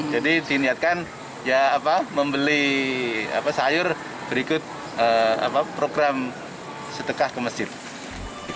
jadi dinyatakan membeli sayur berikut program setekah ke masjid